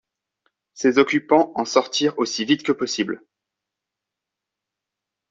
Ses occupants en sortirent aussi vite que possible.